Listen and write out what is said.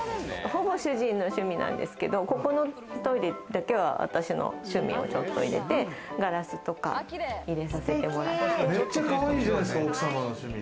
ほぼ主人の趣味なんですけど、ここのトイレだけは、私の趣味をちょっと入れてガラスとか入れさせてもらって。